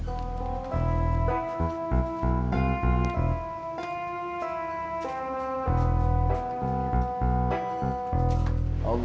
beberapa anak dewa